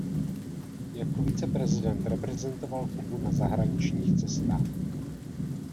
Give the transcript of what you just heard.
Jako viceprezident reprezentoval Kubu na zahraničních cestách.